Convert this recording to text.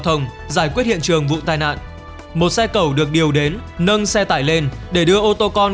thông giải quyết hiện trường vụ tai nạn một xe cầu được điều đến nâng xe tải lên để đưa ô tô con